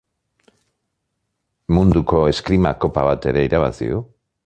Munduko Eskrima Kopa bat ere irabazi du.